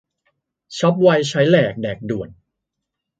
ช็อปไว ใช้แหลก แดกด่วน